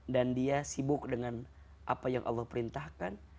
dan dia sibuk dengan apa yang allah perintahkan